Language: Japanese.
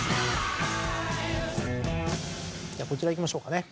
こちらいきましょうかね。